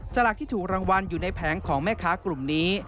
สลากที่ถูกรางวัลอยู่ในแผงของแม่ค้ากลุ่มนี้